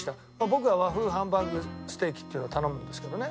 僕は和風ハンバーグステーキっていうのを頼むんですけどね